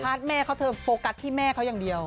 ก็เธอไปสักพาทเม่าเธอโฟกัสที่เม่าอย่างเดียว